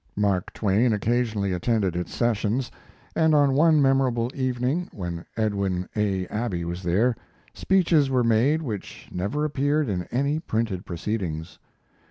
Mark Twain occasionally attended its sessions, and on one memorable evening, when Edwin A. Abbey was there, speeches were made which never appeared in any printed proceedings.